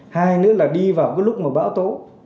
hai nữa là đi vào cái lúc mà bão tố